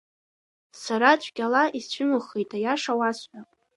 Сара цәгьала исцәымыӷхеит аиаша уасҳәап.